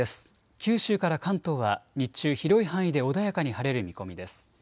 九州から関東は日中、広い範囲で穏やかに晴れる見込みです。